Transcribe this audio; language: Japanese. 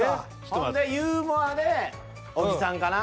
ほんでユーモアで小木さんかな。